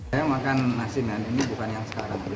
saya makan asinan ini bukan yang sekarang